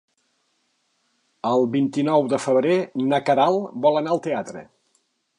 El vint-i-nou de febrer na Queralt vol anar al teatre.